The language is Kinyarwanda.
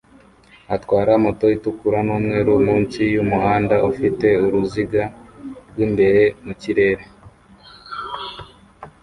atwara moto itukura numweru munsi yumuhanda ufite uruziga rwimbere mukirere